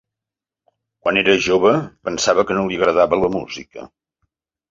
Quan era jove pensava que no li agradava la música.